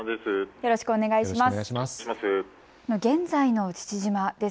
よろしくお願いします。